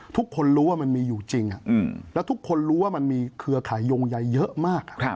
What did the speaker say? ทุกคนรู้ว่ามันมีอยู่จริงแล้วทุกคนรู้ว่ามันมีเครือข่ายงใยเยอะมาก